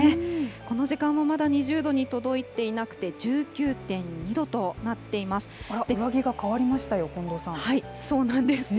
この時間もまだ２０度に届いていなくて、１９．２度となっていまあら、そうなんです。